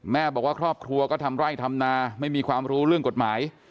แม่บอกว่าครอบครัวก็ทำไร่ทำนาไม่มีความรู้เรื่องกฎหมาย